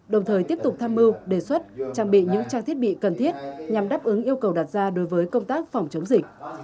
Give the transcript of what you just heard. đồng thời tiếp tục tham mưu đề xuất trang bị những trang thiết bị cần thiết nhằm đáp ứng yêu cầu đặt ra đối với công tác phòng chống dịch